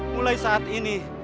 mulai saat ini